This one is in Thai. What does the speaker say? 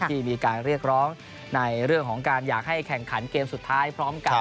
ที่มีการเรียกร้องในเรื่องของการอยากให้แข่งขันเกมสุดท้ายพร้อมกัน